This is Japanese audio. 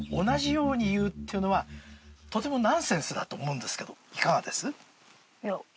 同じようにいうってのはとてもナンセンスだと思うんですけどいかがです？